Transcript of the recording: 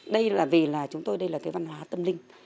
đây là vì chúng tôi đây là văn hóa tâm linh